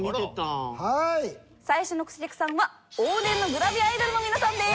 最初のクセ客さんは往年のグラビアアイドルの皆さんです。